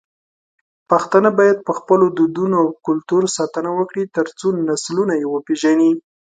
پښتانه بايد په خپلو دودونو او کلتور ساتنه وکړي، ترڅو نسلونه يې وپېژني.